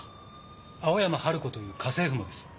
青山春子という家政婦もです。